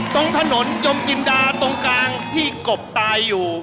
ตรงถนนยมจินดาตรงกลางที่กบตายอยู่